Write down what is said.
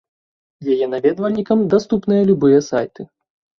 Яе наведвальнікам даступныя любыя сайты.